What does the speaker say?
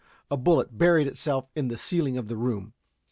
A bullet buried itself in the ceiling of the room.